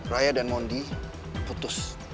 raya dan mondi putus